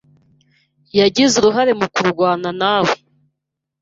yagize uruhare mu kurwanawe.